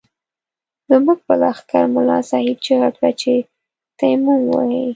زموږ په لښکر ملا صاحب چيغه کړه چې تيمم ووهئ.